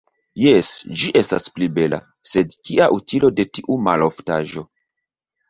Jes, ĝi estas pli bela, sed kia utilo de tiu maloftaĵo.